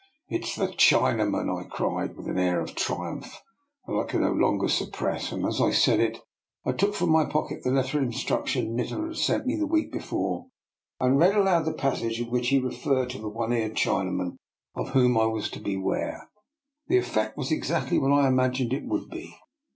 *' It is the Chinaman!" I cried, with an air of triumph that I could no longer suppress. And as I said it I took from my pocket the letter of instruction Nikola had sent me the week before, and read aloud the passage in which he referred to the one eared Chinaman of whom I was to beware. The eflEect was exactly what I imagined it would be.